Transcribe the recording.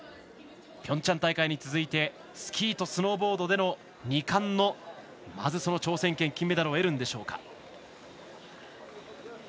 ピョンチャン大会に続いてスキーとスノーボードでの２冠の、まずその挑戦権金メダルを得るんでしょうか。